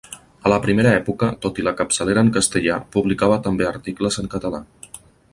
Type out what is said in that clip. A la primera època, tot i la capçalera en castellà publicava també articles en català.